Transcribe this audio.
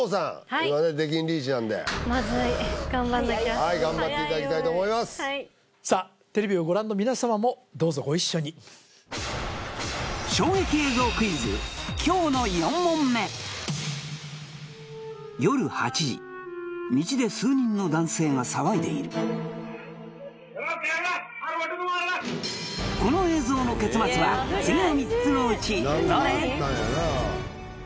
今ね出禁リーチなんでまずい頑張んなきゃはい頑張っていただきたいと思いますさあテレビをご覧の皆様もどうぞご一緒に今日の４問目夜８時道で数人の男性が騒いでいる次の３つのうちどれ？